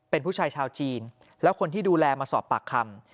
เป็นผู้ชายชาวจีนแล้วคนที่ดูแลมาสอบปากคำ